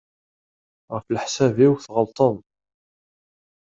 Ɣef leḥsab-iw tɣelṭeḍ.